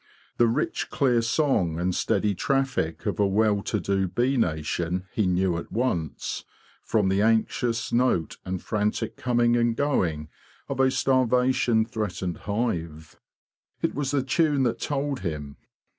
The rich clear song and steady traffic of a well to do bee nation he knew at once from the anxious note and frantic coming and going of a starvation threatened hive. It was the tune that told him.